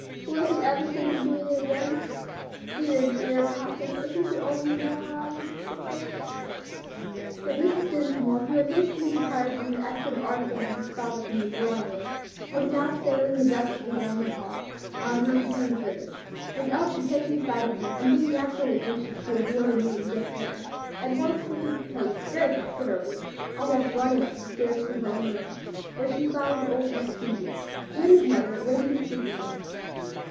will be ever think of doing it again! Dear, dear papa, if you could only know how I long to sit there!" But Mrs. Dinsmore, who had hastily retired on the exit of Arthur and his father from the drawing room, was now sailing majestically down the hall, on her return thither; and Elsie, catching sight of her, and being naturally anxious to avoid a meeting just then, at once quickened her pace very considerably, almost running up the stairs to her own room, where she found old Aunt Phoebe, Jim's mother, waiting to speak with her.